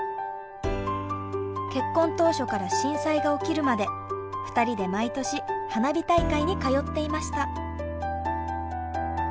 結婚当初から震災が起きるまで２人で毎年花火大会に通っていました。